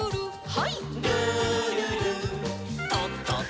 はい。